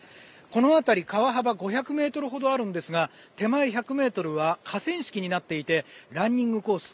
この辺り、川幅は５００ｍほどあるんですが手前１００ｍは河川敷になっていてランニングコース